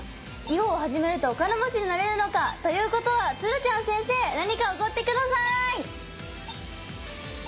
囲碁を始めるとお金持ちになれるのか！ということは鶴ちゃん先生何かおごって下さい！